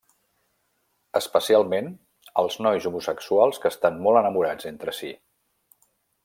Especialment, als nois homosexuals que estan molt enamorats entre si.